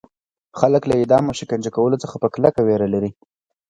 خلک له اعدام او شکنجه کولو څخه په کلکه ویره لري.